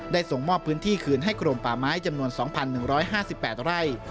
ส่งมอบพื้นที่คืนให้กรมป่าไม้จำนวน๒๑๕๘ไร่